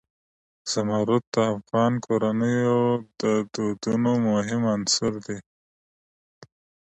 زمرد د افغان کورنیو د دودونو مهم عنصر دی.